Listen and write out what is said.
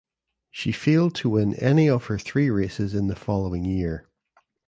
She failed to win any of her three races in the following year.